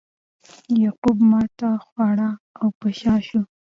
یعقوب ماتې وخوړه او په شا شو.